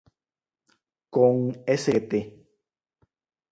Con "Sgt.